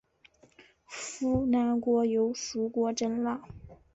扶南国有属国真腊。